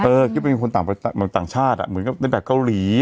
คิดว่าเป็นคนต่างชาติอ่ะเหมือนกับเป็นแบบเกาหลี